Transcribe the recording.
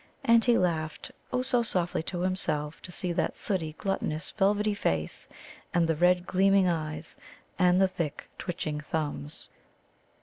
And he laughed, oh, so softly to himself to see that sooty, gluttonous, velvety face, and the red, gleaming eyes, and the thick, twitching thumbs.